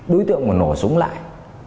đối tượng mà nổ súng lại